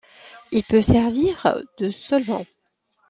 Il peut servir de solvant.